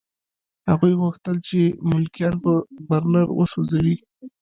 هغوی غوښتل چې ملکیان په برنر وسوځوي